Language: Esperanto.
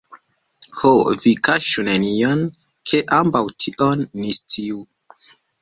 Ho, vi kaŝu nenion, ke ambaŭ tion ni sciu.